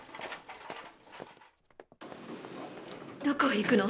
どこへ行くの？